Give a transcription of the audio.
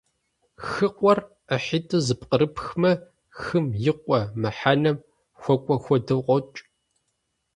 «Хыкъуэр» IыхьитIу зэпкърыпхмэ - «хым и къуэ» мыхьэнэм хуэкIуэ хуэдэу къокI.